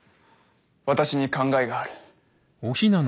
私に考えがある。